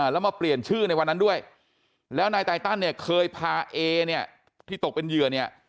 แล้วมาเปลี่ยนชื่อในวันนั้นด้วยแล้วนายไตตันเนี่ยเคยพาเอเนี่ยที่ตกเป็นเหยื่อเนี่ย